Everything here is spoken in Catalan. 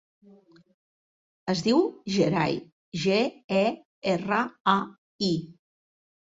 Es diu Gerai: ge, e, erra, a, i.